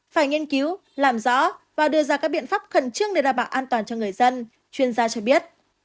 phải nghiên cứu làm rõ và đưa ra các biện pháp khẩn trương để đảm bảo an toàn cho người dân chuyên gia cho biết